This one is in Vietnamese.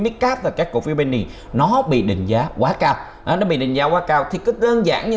mid cap và các cổ phiếu penny nó bị định giá quá cao nó bị định giá quá cao thì cứ đơn giản như